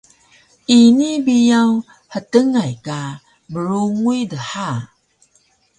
Ini biyaw htngay ka brunguy dha